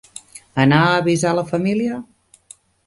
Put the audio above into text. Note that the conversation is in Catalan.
Anar a avisar la família?